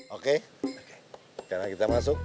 oke sekarang kita masuk